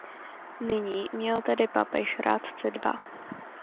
Nyní měl tedy papež rádce dva.